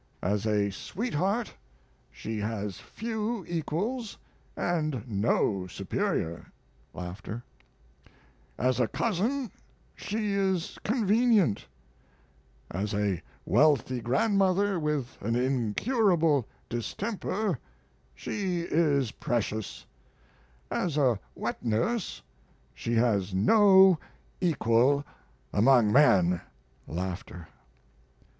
As a sweetheart she has few equals and no superior; as a cousin she is convenient; as a wealthy grandmother with an incurable distemper she is precious; as a wet nurse she has no equal among men! [Laughter.